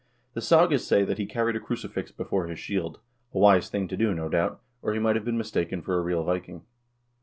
The sagas say that he carried a crucifix before his shield, a wise thing to do, no doubt, or he might have been mistaken for a real Viking.